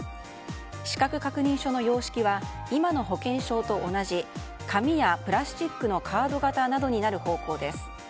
資格確認書の様式は今の保険証と同じ紙やプラスチックのカード型などになる方向です。